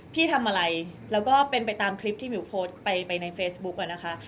พี่ทำอะไรแล้วก็เป็นไปตามคลิปที่หมิวโพสต์ไปในเฟซบุ๊กอะนะคะ